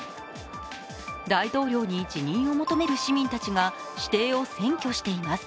大統領に辞任を求める市民たちが私邸を占拠しています。